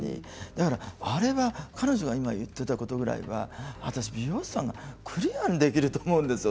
あれは彼女が今、言っていたぐらいは美容師さんがクリアーできると思うんですよ